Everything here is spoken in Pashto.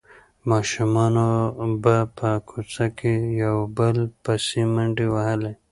ماشومانو به په کوڅه کې یو بل پسې منډې وهلې.